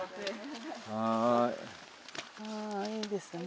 あいいですね